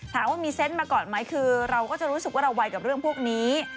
ถามว่ามีเซนต์มาก่อนไหมคือเราก็จะรู้สึกว่าเราไวกับเรื่องพวกนี้